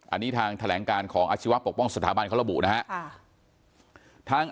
อันนี้ทางแถลงการของอาชีวะปกป้องสถาบันเขาระบุนะครับ